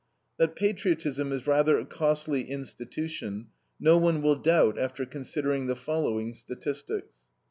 That patriotism is rather a costly institution, no one will doubt after considering the following statistics.